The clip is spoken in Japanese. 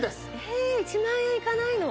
えっ１万円いかないの？